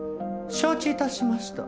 承知致しました。